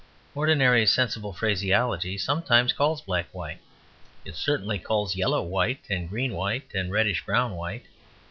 Ordinary sensible phraseology sometimes calls black white, it certainly calls yellow white and green white and reddish brown white.